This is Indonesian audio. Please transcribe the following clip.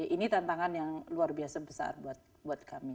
ini tantangan yang luar biasa besar buat kami